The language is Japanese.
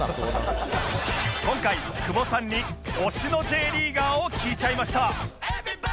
今回久保さんに推しの Ｊ リーガーを聞いちゃいました